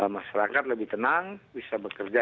masyarakat lebih tenang bisa bekerja